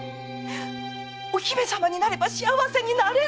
お姫様になれば幸せになれるんだよ！